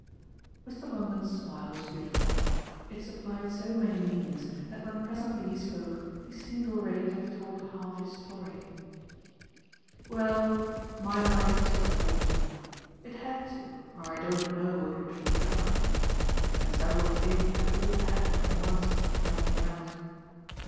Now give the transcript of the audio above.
Mr. Longdon's smile was beautiful it supplied so many meanings that when presently he spoke he seemed already to have told half his story. "Well, my life took a form. It had to, or I don't know what would have become of me, and several things that all happened at once helped me out.